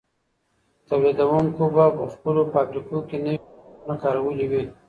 تولیدونکو به په خپلو فابریکو کي نوي میتودونه کارولي وي.